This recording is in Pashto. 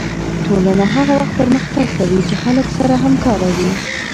ټولنه هغه وخت پرمختګ کوي چې خلک سره همکاره وي